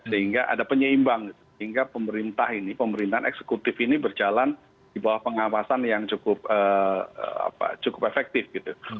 sehingga ada penyeimbang sehingga pemerintah ini pemerintahan eksekutif ini berjalan di bawah pengawasan yang cukup efektif gitu